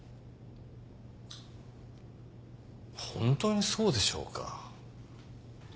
本当にそうでしょうか？